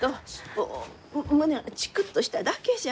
こう胸がチクッとしただけじゃ。